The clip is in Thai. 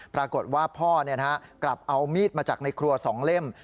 ปรากฏว่าพ่อเนี้ยฮะกลับเอามีดมาจากในครัวสองเล่ม